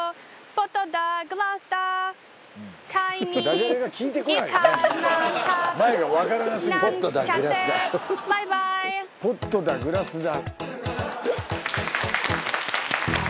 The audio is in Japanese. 「ポットだグラスだ」